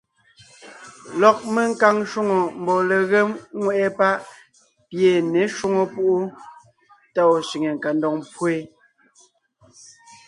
Lɔg menkaŋ shwòŋo mbɔɔ legém ŋweʼe páʼ pi ye ně shwóŋo púʼu tá ɔ̀ sẅiŋe kandoŋ pwó yé.